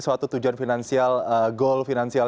suatu tujuan finansial goal finansial